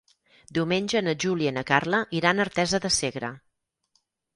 Diumenge na Júlia i na Carla iran a Artesa de Segre.